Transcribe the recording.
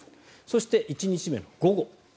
そして、１日目の午後。